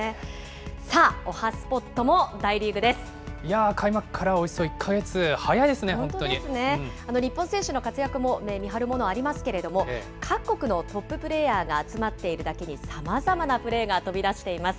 さあ、おはＳＰＯＴも大リーグでいやー、開幕からおよそ１か日本選手の活躍も目、見張るものありますけれども、各国のトッププレーヤーが集まっているだけに、さまざまなプレーが飛び出しています。